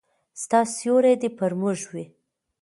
ستا سیوری دي پر موږ وي